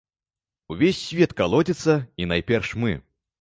Увесь свет калоціцца, і найперш мы.